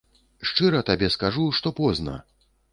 Шчыра табе скажу, што позна!